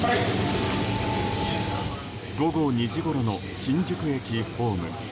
午後２時ごろの新宿駅ホーム。